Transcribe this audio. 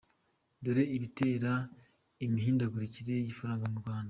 Dore ibitera imihindagurikire y’ifaranga mu Rwanda